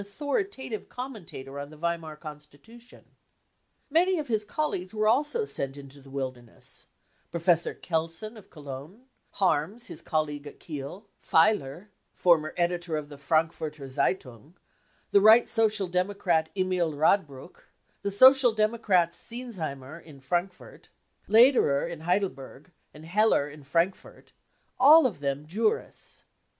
authoritative commentator on the Weimar Constitution. Many of his colleagues were also sent into the wilderness : Professor Kelsen of Cologne ; Harms, his colleague at Kiel • Feiler, former editor of the Frankfurter Zeitung ; the Right Social Democrat Emil Radbruch, the Social Democrats Smzheimer m Frankfurt, Lederer in Heidelberg and Heller m Frankfurt— all of them jurists.